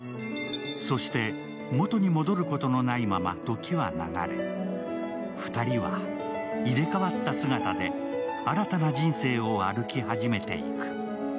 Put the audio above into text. そして元に戻ることがないまま時は流れ、２人は入れ代わった姿で新たな人生を歩き始めていく。